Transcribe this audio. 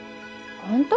本当？